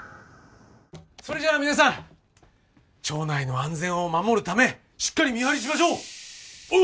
それじゃあ皆さん町内の安全を守るためしっかり見張りしましょう！